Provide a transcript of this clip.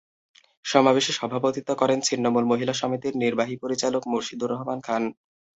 সমাবেশে সভাপতিত্ব করেন ছিন্নমূল মহিলা সমিতির নির্বাহী পরিচালক মুর্শীদুর রহমান খান।